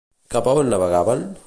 Cap a on navegaven?